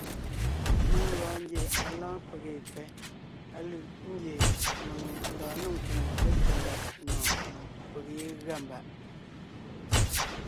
Mèŋ gɔɔn ngie à lɔ́ɔn peg ye pfɛ́, á lʉ̂ʼ ngie mèŋ ńdɔɔn ne ńkwóŋo lépfɛ́ mbàb nɔ̀ɔn, peg yé gʉa mbàʼ.